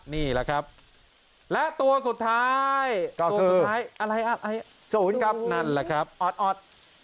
นี่แหละครับและตัวสุดท้ายก็คือสูงนั่นแหละครับออด